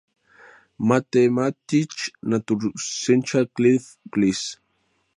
Mathematisch-naturwissenschaftliche Klasse".